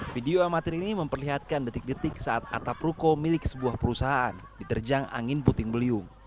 video amatir ini memperlihatkan detik detik saat atap ruko milik sebuah perusahaan diterjang angin puting beliung